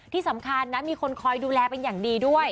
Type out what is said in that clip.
ที่สำคัญนะมีคนคอยดูแลเป็นอย่างดีด้วย